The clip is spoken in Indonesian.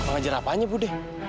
ngajar apanya budi